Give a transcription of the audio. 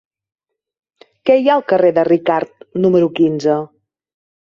Què hi ha al carrer de Ricart número quinze?